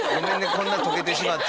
こんなとけてしまって！